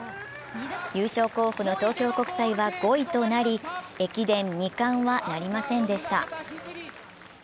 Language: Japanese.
優勝候補の東京国際は５位となり駅伝２冠はなりませんでした。